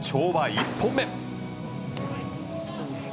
１本目。